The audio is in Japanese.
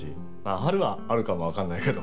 春はあるかもわかんないけど。